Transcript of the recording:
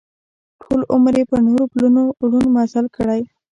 ټول عمر یې پر نورو پلونو ړوند مزل کړی.